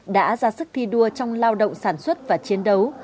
đã ra sức thi đua trong lao động sản xuất và chiến đấu